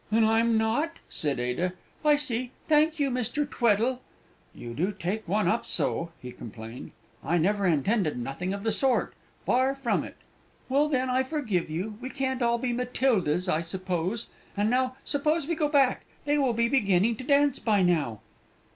"And I'm not!" said Ada. "I see; thank you, Mr. Tweddle!" "You do take one up so!" he complained. "I never intended nothing of the sort far from it." "Well, then, I forgive you; we can't all be Matildas, I suppose. And now, suppose we go back; they will be beginning to dance by now!"